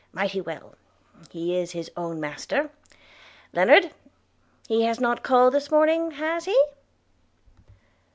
Mighty well; he is his own master – Lennard! he has not called this morning, has he?'